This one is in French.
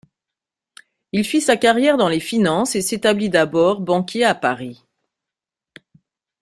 Il fit sa carrière dans les finances et s'établit d'abord banquier à Paris.